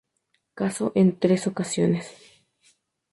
Casó en tres ocasiones.